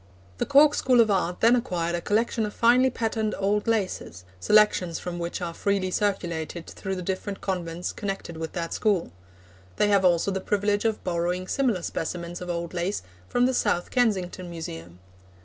The Cork School of Art then acquired a collection of finely patterned old laces, selections from which are freely circulated through the different convents connected with that school. They have also the privilege of borrowing similar specimens of old lace from the South Kensington Museum.